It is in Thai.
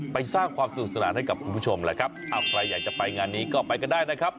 สร้างความสนุกสนานให้กับคุณผู้ชมแหละครับอ้าวใครอยากจะไปงานนี้ก็ไปกันได้นะครับ